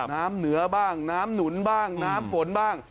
น้ำเหนือบ้างน้ำหนุนบ้างน้ำฝนบ้าง